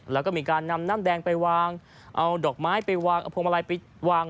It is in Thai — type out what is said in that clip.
แล้วก็มีการนำน้ำแดงไปวางเอาดอกไม้ไปวางเอาพวงมาลัยไปวาง